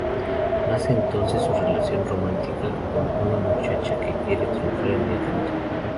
Nace entonces su relación romántica con una muchacha que quiere triunfar en el canto.